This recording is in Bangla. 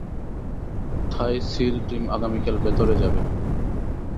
থাই সীল টিম আগামীকাল ভেতরে যাবে।